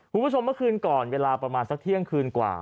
คุณผู้ชมเมื่อคืนก่อนเวลาประมาณสักเที่ยงคืนกว่า